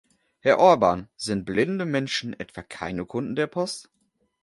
Herr Orban, sind blinde Menschen etwa keine Kunden der Post?